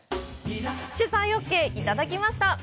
取材オーケーいただきました。